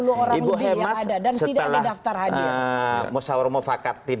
karena hanya dihadiri tidak sampai dengan lima puluh orang lebih yang ada dan tidak ada daftar hadir